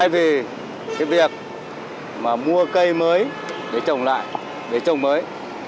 vì việc mua cây mới để trồng lại để trồng mới